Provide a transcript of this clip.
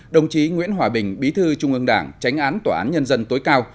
đồng chí nguyễn hòa bình bí thư trung ương đảng tránh án tòa án nhân dân tối cao